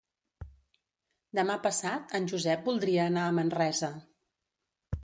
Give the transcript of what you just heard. Demà passat en Josep voldria anar a Manresa.